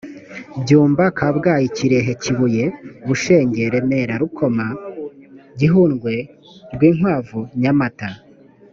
byumba kabgayi kirehe kibuye bushenge remera rukoma gihundwe rwinkwavu nyamata